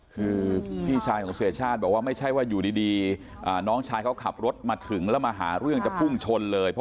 คือพี่ชายของเสียชาติบอกว่าไม่ใช่ว่าอยู่ดีน้องชายเขาขับรถมาถึงแล้วมาหาเรื่องจะพุ่งชนเลย